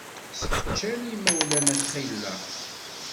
Seg ččan yimawlan xilla.